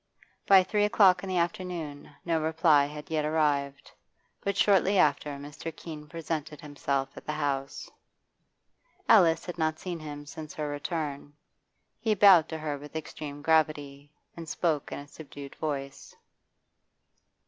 By three o'clock in the afternoon no reply had yet arrived; but shortly after Mr. Keene presented himself at the house. Alice had not seen him since her return. He bowed to her with extreme gravity, and spoke in a subdued voice.